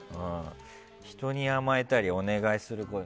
人に甘えたりお願いすること。